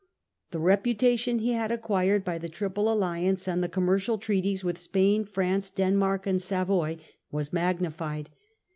The reputation he had acquired Charies d b y by the Triple Alliance and the commercial large sup treaties with Spain, France, Denmark, and pllcs * Savoy, was magnified.